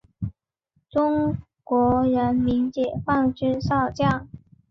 中国人民解放军少将。